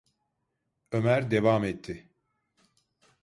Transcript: Ömer devam etti: